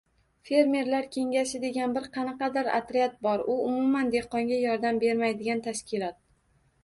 Fermerlar kengashi degan bir qanaqadir otryad bor, u umuman dehqonga yordam bermaydigan tashkilot.